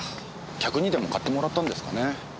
客にでも買ってもらったんですかね。